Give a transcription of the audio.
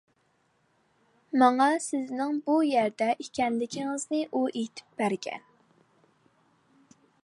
ماڭا سىزنىڭ بۇ يەردە ئىكەنلىكىڭىزنى ئۇ ئېيتىپ بەرگەن.